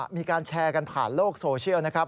มีการแชร์กันผ่านโลกโซเชียลนะครับ